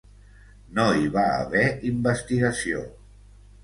No hi va haver investigació.